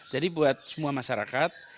jadi buat semua masyarakat